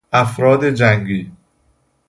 افراد جنگی